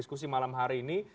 diskusi malam hari ini